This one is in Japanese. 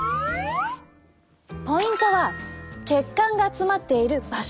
ポイントは血管が集まっている場所。